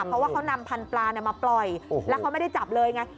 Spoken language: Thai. เพราะว่าเขานำพันธุปลามาปล่อยแล้วเขาไม่ได้จับเลยไง